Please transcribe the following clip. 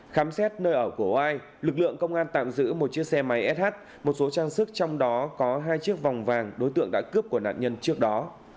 khám xét nơi ở của oai lực lượng công an tạm giữ một chiếc xe máy sh một số trang sức trong đó có hai chiếc vòng vàng đối tượng đã cướp của nạn nhân trước đó